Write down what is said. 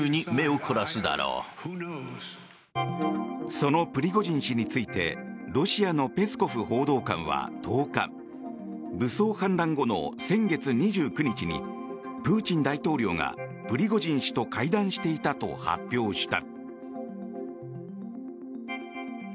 そのプリゴジン氏についてロシアのペスコフ報道官は１０日武装反乱後の先月２９日にプーチン大統領がプリゴジン氏と会談していたと発表した。